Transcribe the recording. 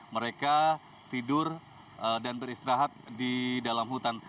mereka tidur dan beristirahat di dalam hutan